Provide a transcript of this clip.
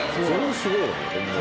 すごいよねホンマに。